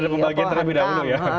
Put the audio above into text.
ada pembagian terlebih dahulu ya